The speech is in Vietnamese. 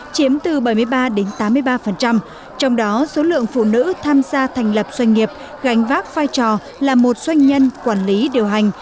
chiếm từ bảy mươi ba đến tám mươi ba trong đó số lượng phụ nữ tham gia thành lập doanh nghiệp gành vác vai trò là một doanh nhân quản lý điều hành